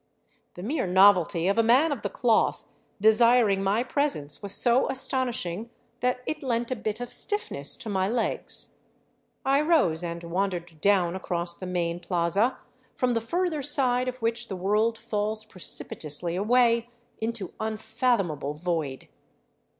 The mere novelty of a man of the cloth desiring my presence was so astonishing that it lent a bit of stiffness to my legs. I rose and wandered down across the main plaza, from the further side of which the world falls precipitously away into unfathomable void.